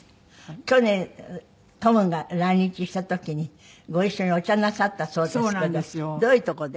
去年トムが来日した時にご一緒にお茶なさったそうですけどどういう所で？